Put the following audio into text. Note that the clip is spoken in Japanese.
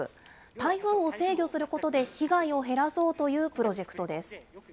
台風を制御することで被害を減らそうというプロジェクトです。